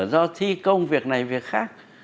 do thi công việc này việc khác